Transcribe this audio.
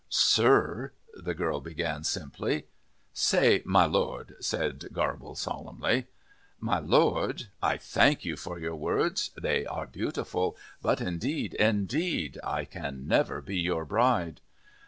"Sir " the girl began, simply. "Say 'My Lord,'" said Garble, solemnly. "My Lord, I thank you for your words. They are beautiful. But indeed, indeed, I can never be your bride."